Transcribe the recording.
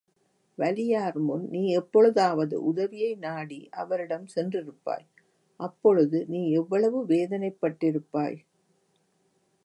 வலியார்முன் நீ எப்பொழுதாவது உதவியை நாடி அவரிடம் சென்றிருப்பாய் அப்பொழுது நீ எவ்வளவு வேதனைப்பட்டிருப்பாய்?